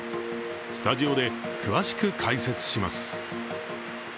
スタジオで詳しく解説します。